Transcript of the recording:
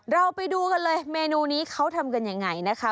เราไปดูกันเลยเมนูนี้เขาทำกันยังไงนะคะ